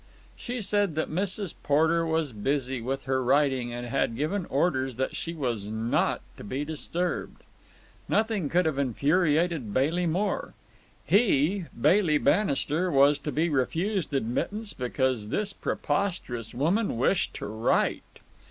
She said that Mrs. Porter was busy with her writing and had given orders that she was not to be disturbed. Nothing could have infuriated Bailey more. He, Bailey Bannister, was to be refused admittance because this preposterous woman wished to write!